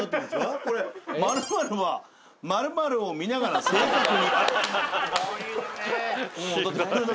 「○○は○○を見ながら正確に」。